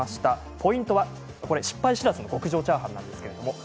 ポイントは失敗知らずの極上チャーハン。